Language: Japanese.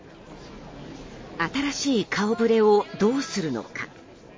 新しい顔ぶれをどうするのか。